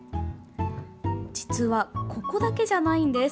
実は、ここだけじゃないんです！